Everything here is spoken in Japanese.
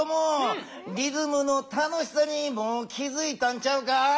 リズムの楽しさにもう気づいたんちゃうか？